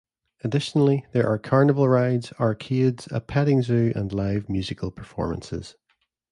Additionally, there are carnival rides, arcades, a petting zoo, and live musical performances.